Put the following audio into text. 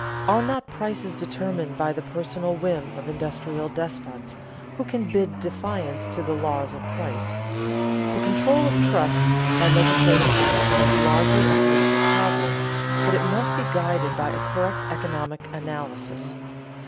Are not prices determined by the personal whim of industrial despots who can bid defiance to the laws of price? The control of trusts by legislative action is largely a political problem, but it must be guided by a correct economic analysis.